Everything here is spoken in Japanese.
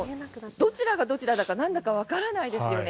どちらがどちらだかなんだかわからないですよね。